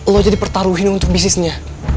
allah jadi pertaruhin untuk bisnisnya